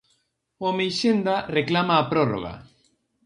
O Ameixenda reclama a prórroga.